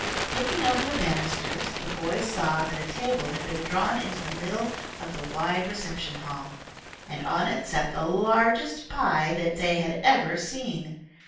Looking over the banisters, the boys saw that a table had been drawn into the middle of the wide reception hall, and on it sat the largest pie that they had ever seen.